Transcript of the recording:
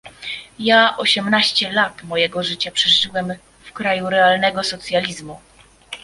Ja osiemnaście lat mojego życia przeżyłem w kraju realnego socjalizmu